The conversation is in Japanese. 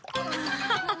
アハハハ！